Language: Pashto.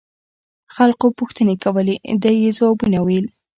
خلقو پوښتنې کولې ده يې ځوابونه ويل.